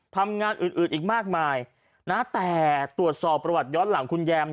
ทำงานอื่นอื่นอีกมากมายนะแต่ตรวจสอบประวัติย้อนหลังคุณแยม